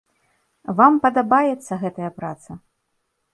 Вам падабаецца гэтая праца?